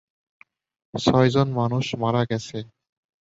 ছয়জন মানুষ মারা গেছে।